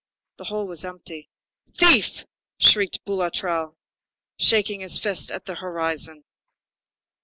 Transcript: The hole was empty. "Thief!" shrieked Boulatruelle, shaking his fist at the horizon.